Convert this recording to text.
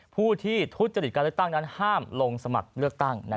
ผู้ที่ทุจริตการเลือกตั้งนั้นห้ามลงสมัครเลือกตั้ง